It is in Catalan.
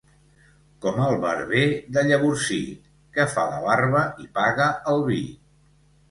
Com el barber de Llavorsí, que fa la barba i paga el vi.